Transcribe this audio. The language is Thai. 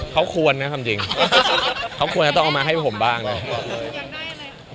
เค้าควรนะคำจริงเค้าควรอะต้องเอามาให้ผมบ้างเลย